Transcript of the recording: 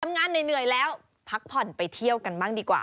เหนื่อยแล้วพักผ่อนไปเที่ยวกันบ้างดีกว่า